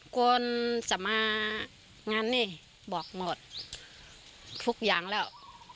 คนจะมางานนี้บอกหมดทุกอย่างแล้ว